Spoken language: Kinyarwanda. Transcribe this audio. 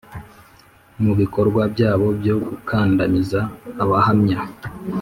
mu bikorwa byabo byo gukandamiza Abahamya.